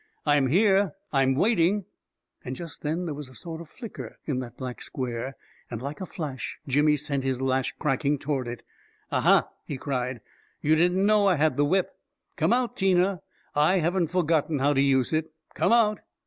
" I'm here ! I'm waiting I " And just then there was a sort of flicker in that black square, and like a flash Jimmy sent his lash cracking toward it. 44 Ah, ha I " he cried. 4i You didn't know I had the whipl Come out, Tina! I haven't forgotten how to use it 1 Come out